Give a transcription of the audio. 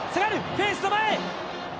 フェンスの前！